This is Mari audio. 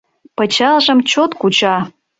Пычалжым чот куча: